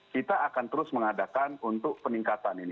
kita akan terus mengadakan untuk peningkatan ini